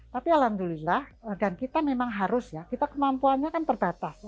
tapi alhamdulillah dan kita memang harus ya kita kemampuannya kan terbatas